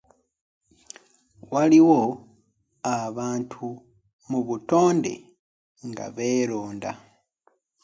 Waliwo abantu mu butonde nga beeronda.